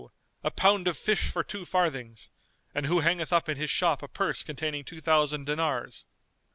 a pound of fish for two farthings!' and who hangeth up in his shop a purse containing two thousand dinars."